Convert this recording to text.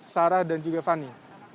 sarah dan juga fani